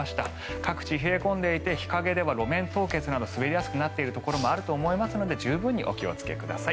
各地、冷え込んでいて日陰では路面凍結など滑りやすくなっているところもあると思いますので十分にお気をつけください。